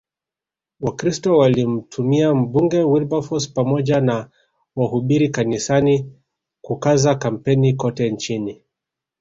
Wakristo walimtumia Mbunge Wilberforce pamoja na wahubiri kanisani kukaza kampeni kote nchini